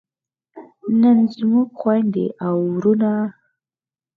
نن زموږ خویندې او وروڼه